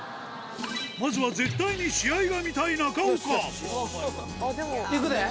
まずは絶対に試合が見たい中いくで。